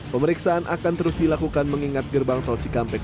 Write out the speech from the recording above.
pemeriksaan akan terus dilakukan mengingat gerbang tol cikampek